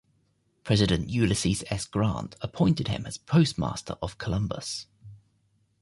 President Ulysses S. Grant appointed him as Postmaster of Columbus.